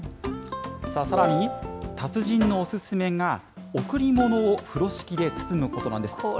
さらに、達人のお勧めが贈り物を風呂敷で包むことなんです。